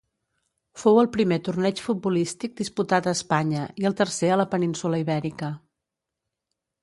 Fou el primer torneig futbolístic disputat a Espanya i el tercer a la península Ibèrica.